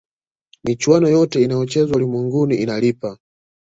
michuano yote inayochezwa ulimwenguni inalipa